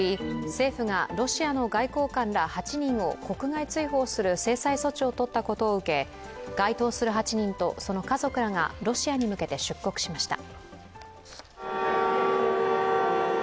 政府がロシアの外交官ら８人を国外追放する制裁措置をとったことを受け該当する８人と、その家族らがロシアに向けて出国しました。